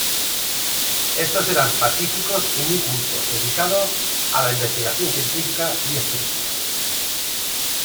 Estos eran pacíficos y muy cultos, dedicados a la investigación científica y espiritual.